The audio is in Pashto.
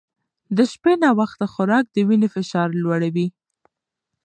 د شپې ناوخته خوراک د وینې فشار لوړوي.